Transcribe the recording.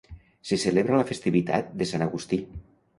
Se celebra la festivitat de Sant Agustí.